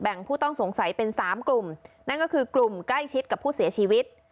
ผู้ต้องสงสัยเป็นสามกลุ่มนั่นก็คือกลุ่มใกล้ชิดกับผู้เสียชีวิต